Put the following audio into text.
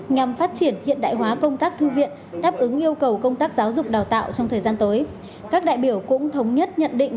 nhằm phát triển hiện đại hóa công tác thư viện đáp ứng yêu cầu công tác giáo dục đào tạo trong thời gian tới